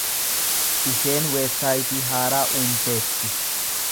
Isheen weebsaayitii haaraa uumteetti.